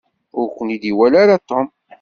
Ur ken-id-iwala ara Tom.